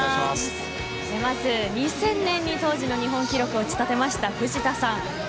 ２０００年に当時の日本記録を打ち立てた藤田さんです。